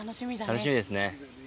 楽しみですね。